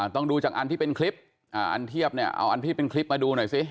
ต้องดูจากอันที่เป็นคลิปอันเทียบเนี่ยเอาอันที่เป็นคลิปมาดูหน่อยสิ